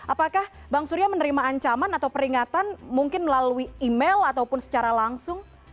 apakah bang surya menerima ancaman atau peringatan mungkin melalui email ataupun secara langsung